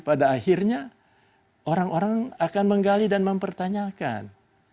pada akhirnya orang orang akan menggali dan mempertanyakan